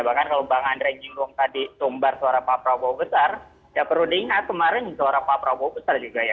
bahkan kalau bang andre nyinggung tadi tumbar suara pak prabowo besar ya perlu diingat kemarin suara pak prabowo besar juga ya